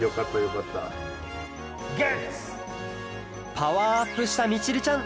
パワーアップしたみちるちゃん